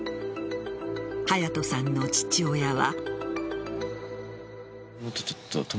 隼都さんの父親は。